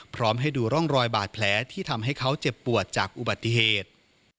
พร้อมให้ดูร่องรอยบาดแผลที่ทำให้เขาเจ็บปวดจากอุบัติเหตุ